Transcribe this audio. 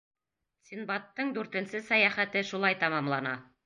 Синдбадтың дүртенсе сәйәхәте шулай тамамлана.